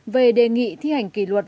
về đề nghị thi hành kỷ luật